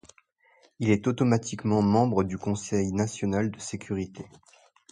Il est automatiquement membre du Conseil national de sécurité.